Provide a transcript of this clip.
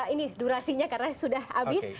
ini durasinya karena sudah habis